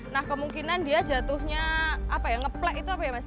nah kemungkinan dia jatuhnya apa ya ngeplek itu apa ya mas